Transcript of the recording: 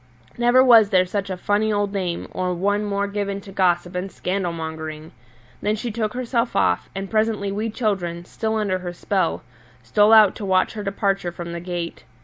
Never was there such a funny old dame or one more given to gossip and scandal mongering! Then she took herself off, and presently we children, still under her spell, stole out to watch her departure from the gate.